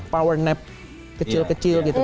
power nep kecil kecil gitu